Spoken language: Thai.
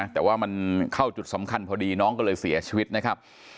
แต่ว่ามันเข้าจุดสำคัญพอดีน้องก็เลยเสียชีวิตนะครับ